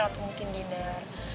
atau mungkin dinner